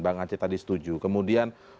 bang aceh tadi setuju kemudian